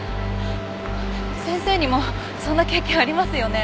先生にもそんな経験ありますよね？